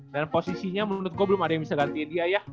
dan posisinya menurut gue belum ada yang bisa gantiin dia ya